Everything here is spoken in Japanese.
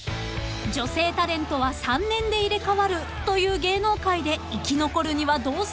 ［女性タレントは３年で入れ替わるという芸能界で生き残るにはどうすればいいのか？］